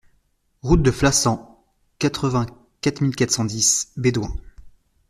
Route de Flassan, quatre-vingt-quatre mille quatre cent dix Bédoin